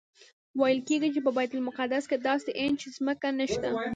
ویل کېږي په بیت المقدس کې داسې انچ ځمکه نشته.